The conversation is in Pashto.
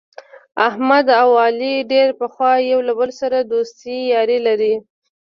احمد او علي ډېر پخوا یو له بل سره دوستي یاري لري.